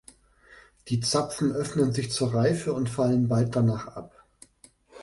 Die Zapfen öffnen sich zur Reife und fallen bald danach ab.